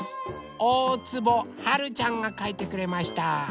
おおつぼはるちゃんがかいてくれました。